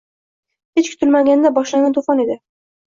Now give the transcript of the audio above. Hech kutilmaganda boshlangan to’fon edi.